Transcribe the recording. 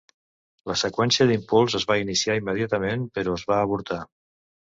La seqüència d'impuls es va iniciar immediatament però es va avortar.